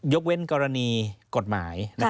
เว้นกรณีกฎหมาย